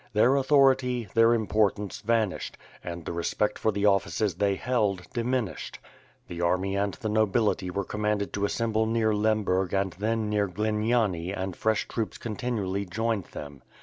Their authority, their importance vanished, and the respect for the offices they held, diminished. The army and the nobility were commanded to assemble near Lemberg and then near Gliniani and fresh troops continually joined them.